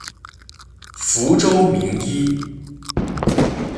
福州名医。